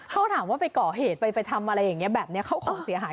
เขาถามว่าไปก่อเหตุไปทำอะไรอย่างนี้แบบนี้เขาของเสียหาย